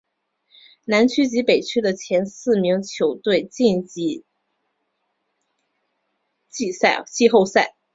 南区及北区的前四名球队晋级季后赛。